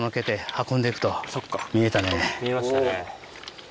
見えましたね。